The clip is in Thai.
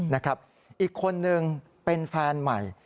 นะครับอีกคนนึงเป็นแฟนใหม่